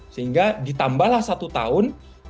sehingga ditambahlah satu tahun